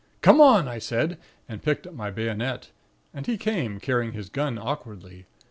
"'Come on!' I said, and picked up my bayonet; and he came, carrying his gun awkwardly.